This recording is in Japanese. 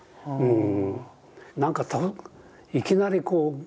うん。